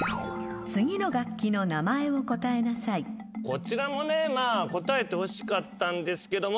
こちらもね答えてほしかったんですけども。